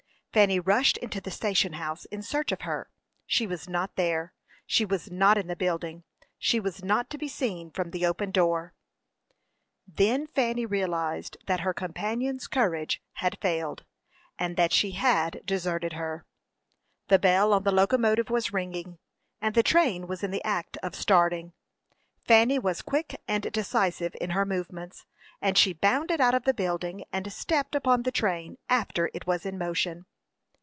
Fanny rushed into the station house in search of her. She was not there! she was not in the building; she was not to be seen from the open door. Then Fanny realized that her companion's courage had failed, and that she had deserted her. The bell on the locomotive was ringing, and the train was in the act of starting. Fanny was quick and decisive in her movements, and she bounded out of the building, and stepped upon the train after it was in motion.